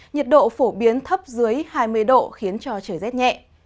nhiệt độ phổ biến thấp dưới hai mươi độ khiến cho trời rét nhẹ